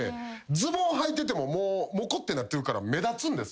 ズボンはいててもモコってなってるから目立つんです。